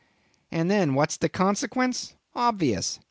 And then what's the consequence? Obvious!